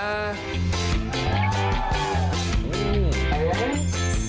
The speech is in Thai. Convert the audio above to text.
อันนี้